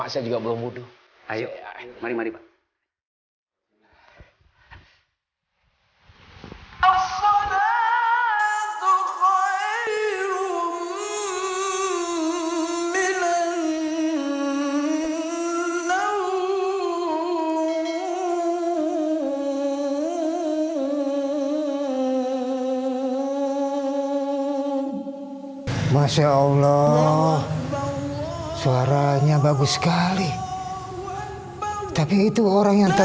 segitu aja udah mahal saya kasih harganya